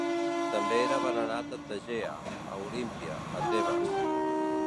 També era venerat a Tegea, a Olímpia, a Tebes.